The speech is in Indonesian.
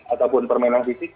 ataupun permainan fisik